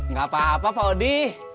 nggak apa apa pak odi